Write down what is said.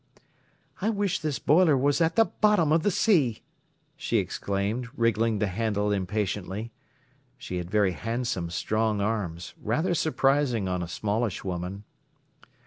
"I wish this boiler was at the bottom of the sea!" she exclaimed, wriggling the handle impatiently. She had very handsome, strong arms, rather surprising on a smallish woman.